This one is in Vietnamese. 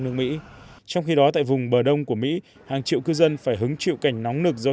nước mỹ trong khi đó tại vùng bờ đông của mỹ hàng triệu cư dân phải hứng chịu cảnh nóng nực do